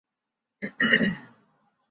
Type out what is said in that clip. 其设计也使其在通话时有少许延迟。